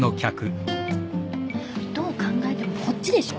どう考えてもこっちでしょ。